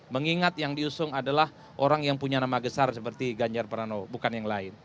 mengingat yang diusung adalah orang yang punya nama besar seperti ganjar prano bukan yang lain